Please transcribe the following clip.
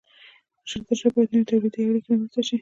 ژر تر ژره باید نوې تولیدي اړیکې رامنځته شي.